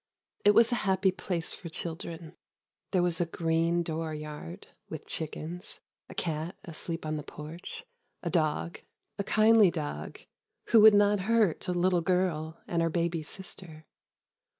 It was a happy place for children. There was a green dooryard, with chickens, a cat asleep on the porch, a dog—a kindly dog who would not hurt a little girl and her baby sister.